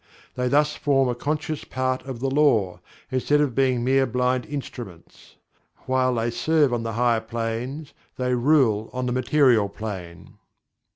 They thus form a conscious part of the Law, instead of being mere blind instruments. While they Serve on the Higher Planes, they Rule on the Material Plane.